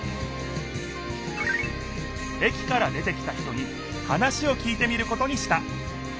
駅から出てきた人に話をきいてみることにした